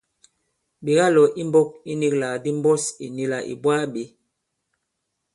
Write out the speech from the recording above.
Ɓè kalɔ̀ i mbɔ̄k i nīglàk ndi mbɔs ì nì là ì bwaa bě.